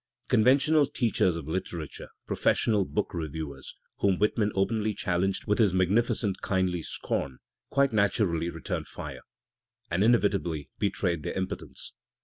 Conventional "teachers" of literature, professional book reviewers, whom Whitman openly challenged with his magnificent kindly scorn, quite naturally returned fire, and inevitably betrayed their impotence.